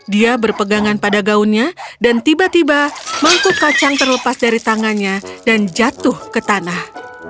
dia berpegangan pada gaunnya dan tiba tiba mangkuk kacang terlepas dari tangannya dan jatuh ke tanah